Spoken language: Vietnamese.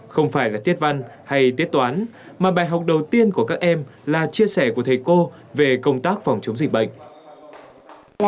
không phải là tiết văn hay tiết toán mà bài học đầu tiên của các em là chia sẻ của thầy cô về công tác phòng chống dịch bệnh